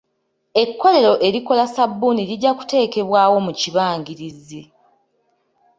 Ekkolero erikola sabbuuni lijja kuteekebwawo mu kibangirizi.